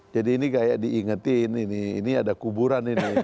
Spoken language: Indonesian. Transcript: jadi ini kayak diingetin ini ada kuburan ini